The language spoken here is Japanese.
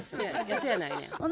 そやないねん。